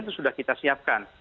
itu sudah kita siapkan